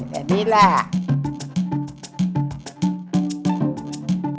เออแบบนี้แหละ